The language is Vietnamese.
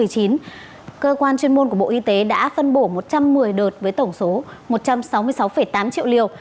cơ quan chuyên môn của bộ y tế đã phân bổ một trăm một mươi đợt với tổng số một trăm sáu mươi sáu tám triệu liều